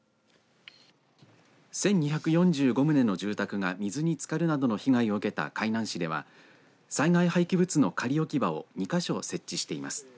１２４５棟の住宅が水につかるなどの被害を受けた海南市では災害廃棄物の仮置き場を２か所設置しています。